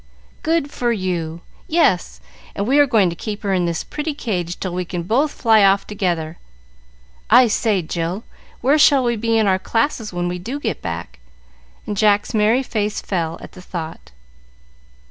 "Good for you! Yes, and we are going to keep her in this pretty cage till we can both fly off together. I say, Jill, where shall we be in our classes when we do get back?" and Jack's merry face fell at the thought.